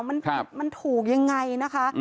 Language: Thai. มันถูกยังไงนะคะ